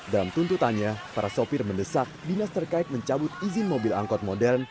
dalam tuntutannya para sopir mendesak dinas terkait mencabut izin mobil angkot modern